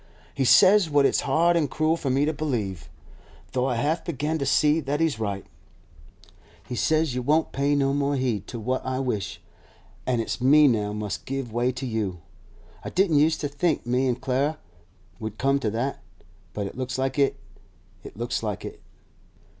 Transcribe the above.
'He says what it's hard an' cruel for me to believe, though I half begin to see that he's right; he says you won't pay no more heed to what I wish, an' it's me now must give way to you. I didn't use to think me an' Clara would come to that; but it looks like it—it looks like it.